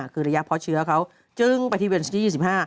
คือระยะเพราะเชื้อเขาจึงไปที่เวนส์ที่๒๕